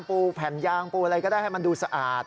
แผ่นยางปูอะไรก็ได้ให้มันดูสะอาด